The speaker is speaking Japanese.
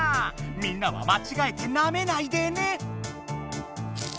みんなはまちがえてなめないでね！